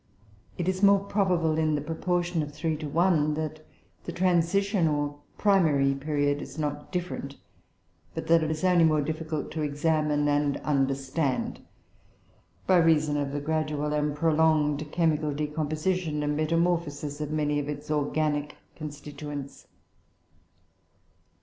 It is more probable, in the proportion of 3 to 1, that the transition or primary period is not different, but that it is only more difficult to examine and understand, by reason of the gradual and prolonged chemical decomposition and metamorphosis of many of its organic constituents."